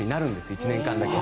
１年間だけ。